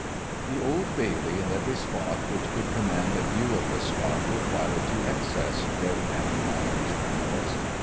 "The Old Bailey and every spot which could command a view of the spot were crowded to excess," wrote an anonymous journalist.